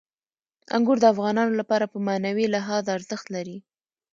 انګور د افغانانو لپاره په معنوي لحاظ ارزښت لري.